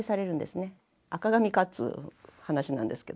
赤紙かっつぅ話なんですけど。